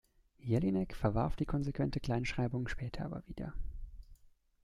Jelinek verwarf die konsequente Kleinschreibung später aber wieder.